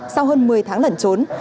sau hơn một mươi tháng lẩn trốn